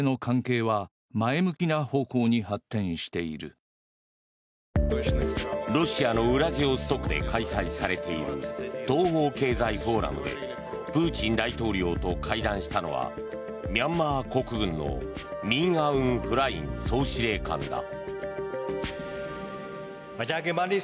そのミャンマーも今回の東方経済フォーラムにロシアのウラジオストクで開催されている東方経済フォーラムでプーチン大統領と会談したのはミャンマー国軍のミン・アウン・フライン総司令官だ。